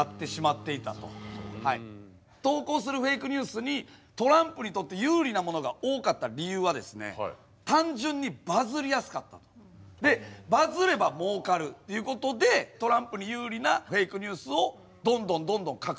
ニュースにトランプにとって有利なものが多かった理由は単純にバズりやすかったと。でバズれば儲かるっていうことでトランプに有利なフェイクニュースをどんどんどんどん拡散していったと。